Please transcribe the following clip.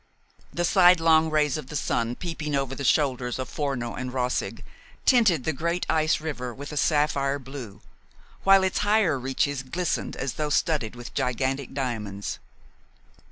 The sidelong rays of the sun, peeping over the shoulders of Forno and Roseg, tinted the great ice river with a sapphire blue, while its higher reaches glistened as though studded with gigantic diamonds.